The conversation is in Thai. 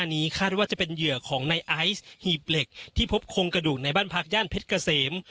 หีบเหล็กที่พบคงกระดูกในบ้านพักย่านเพชรเกษม